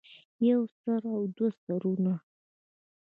يو سر او دوه سرونه